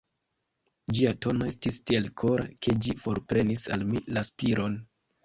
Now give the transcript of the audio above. Ĝia tono estis tiel kora, ke ĝi forprenis al mi la spiron.